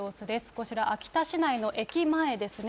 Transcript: こちら秋田市内の駅前ですね。